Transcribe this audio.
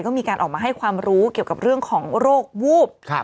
ก็มีการออกมาให้ความรู้เกี่ยวกับเรื่องของโรควูบ